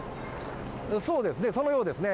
そうですね、そのようですね。